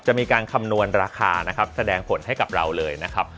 มีการคำนวณราคานะครับแสดงผลให้กับเราเลยนะครับ